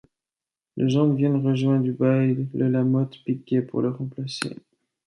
Le Jean de Vienne rejoint à Dubai le La Motte Picquet pour le remplacer.